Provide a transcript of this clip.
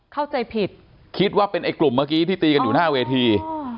เข้าใจผิดคิดว่าเป็นไอ้กลุ่มเมื่อกี้ที่ตีกันอยู่หน้าเวที